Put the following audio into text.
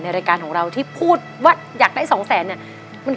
ในรายการของเราที่พูดว่าอยากได้๒๐๐๐๐๐๐บาท